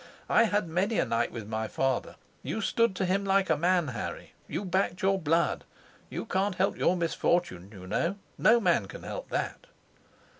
I had many a night with my father; you stood to him like a man, Harry. You backed your blood; you can't help your misfortune, you know, no man can help that."